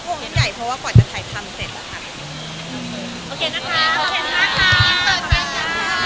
ได้โครงใหญ่เพราะว่าก่อนจะถ่ายค่ารี่เสร็จแหละคะ